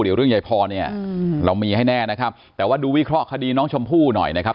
เดี๋ยวเรื่องยายพรเนี่ยเรามีให้แน่นะครับแต่ว่าดูวิเคราะห์คดีน้องชมพู่หน่อยนะครับ